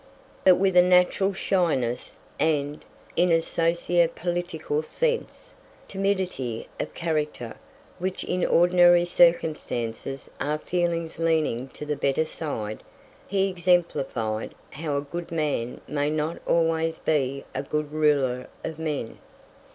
But with a natural shyness, and, in a socio political sense, timidity of character, which in ordinary circumstances are feelings leaning to the better side, he exemplified how a good man may not always be a good ruler of men.